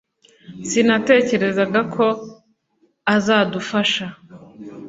sinatekerezaga ko azadufasha